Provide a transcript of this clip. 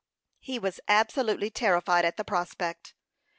He was absolutely terrified at the prospect.